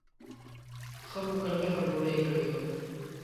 ښه مکلفه ډوډۍ یې کړې وه.